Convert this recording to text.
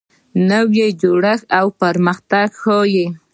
نوی جوړښت پرمختګ ښیي